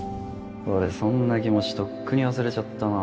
俺そんな気持ちとっくに忘れちゃったな